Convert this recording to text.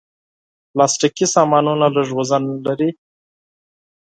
پلاستيکي سامانونه لږ وزن لري.